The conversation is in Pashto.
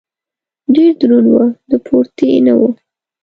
ډېر دروند و . د پورتې نه و.